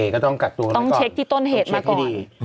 ก็ต้องกักตัวต้องเช็คที่ต้นเหตุมาก่อน